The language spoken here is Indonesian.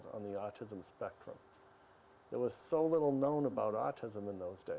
dan mungkin bisa berkomunikasi lebih baik dari yang berbeda